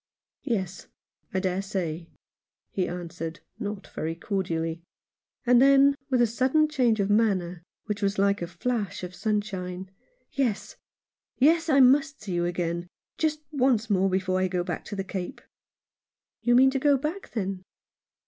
" Yes, I dare say," he answered, not very cordially. And then, with a sudden change of manner, which was like a flash of sunshine, " Yes, yes, I must see you again — just once more before I go back to the Cape." " You mean to go back, then